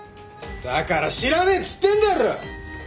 だから知らねえっつってんだろ！